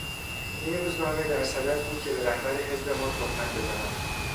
این روزنامه در صدد بود که به رهبر حزب ما تهمت بزند.